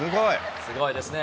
すごいですね。